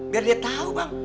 biar dia tau bang